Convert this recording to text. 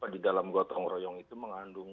di dalam gotong royong itu mengandung